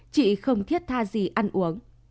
chị không thiết tha gì ăn uống